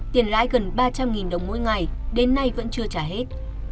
tiền lãi gần ba trăm linh đồng mỗi ngày đến nay vẫn chưa trả hết